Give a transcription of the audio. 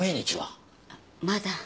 まだ。